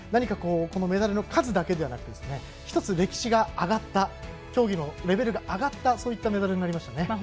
メダルの数だけではなく１つ歴史が上がった競技のレベルが上がったそういったメダルになりましたね。